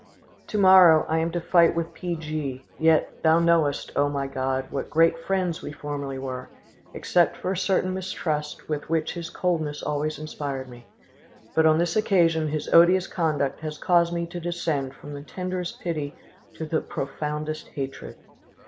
"To morrow I am to fight with P. G.; yet Thou knowest, O my God, what great friends we formerly were, except for a certain mistrust with which his coldness always inspired me; but on this occasion his odious conduct has caused me to descend from the tenderest pity to the profoundest hatred.